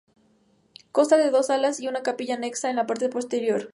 Consta de dos alas y una capilla anexa en la parte posterior.